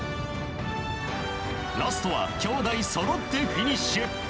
ラストは兄弟そろってフィニッシュ。